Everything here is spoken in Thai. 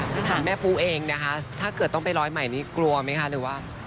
ถ้าถามแม่ปูเองนะคะถ้าเกิดต้องไปร้อยใหม่นี้กลัวไหมคะหรือว่า